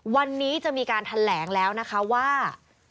วันนี้จะมีการแถลงแล้วนะคะว่า